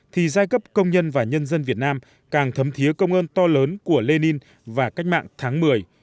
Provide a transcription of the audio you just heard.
thì giai cấp công nhân và nhân dân việt nam càng thấm thiế công ơn to lớn của lenin và cách mạng tháng một mươi